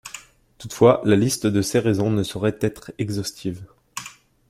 Toutefois, la liste de ces raisons ne saurait être exhaustive.